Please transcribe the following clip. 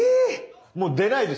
もう出ないです！